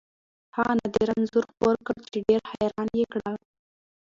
هغه نادره انځور خپور کړ چې ډېر حیران یې کړل.